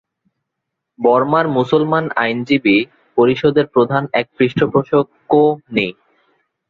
বর্মার মুসলমান আইনজীবী পরিষদের প্রধান এক পৃষ্ঠপোষক কো নী।